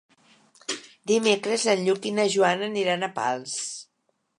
Dimecres en Lluc i na Joana aniran a Pals.